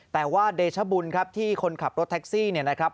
แต่ว่าเดชบุญครับที่คนขับรถแท็กซี่เนี่ยนะครับ